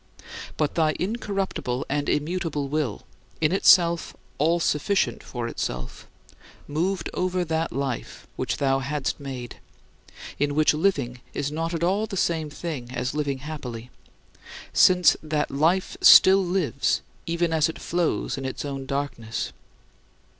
But thy incorruptible and immutable will in itself all sufficient for itself moved over that life which thou hadst made: in which living is not at all the same thing as living happily, since that life still lives even as it flows in its own darkness.